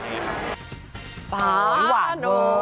อ๋อนี่หวาน